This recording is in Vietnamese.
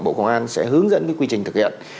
bộ công an sẽ hướng dẫn quy trình thực hiện